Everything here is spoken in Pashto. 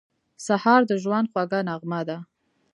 سهار د ژوند خوږه نغمه ده.